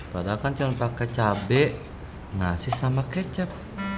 padahal kan cuma pakai cabai nasi sama kecap